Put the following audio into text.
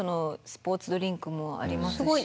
スポーツドリンクもありますし。